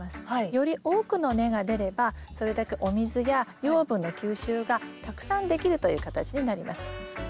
より多くの根が出ればそれだけお水や養分の吸収がたくさんできるという形になります。